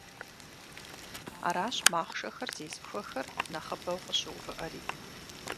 Аращ махъшэхэр зезыхуэхэр нэхъыбэу къыщыувыӏэри.